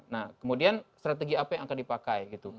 nah kemudian strategi apa yang akan dipakai gitu